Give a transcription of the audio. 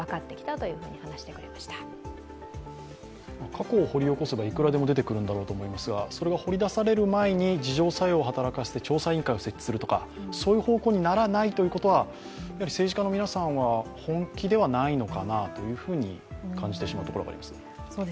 過去を掘り起こせばいくらでも出てくるんだろうと思いますがそれが掘り出される前に自浄作用を働かせて調査委員会を設置するとかそういう方向にならないということは、政治家の皆さんは本気ではないのかなと感じてしまうところがあります。